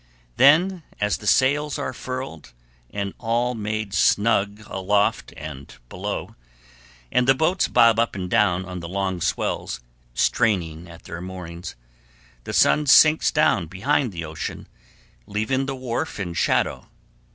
Then, as the sails are furled, and all made snug aloft and below, and the boats bob up and down on the long swells, straining at their moorings, the sun sinks down behind the ocean, leaving the wharf in shadow.